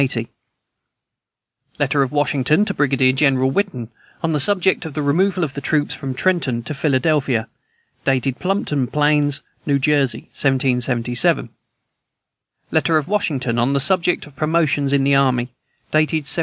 Letter of Washington to Brigadier General Whiten on the subject of the removal of the troops from Trenton to Philadelphia. Dated Plumpton Plains, New Jersey, 1777. Letter of Washington on the subject of promotions in the army. Dated 1779.